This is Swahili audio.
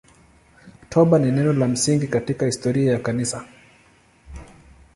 Toba ni neno la msingi katika historia ya Kanisa.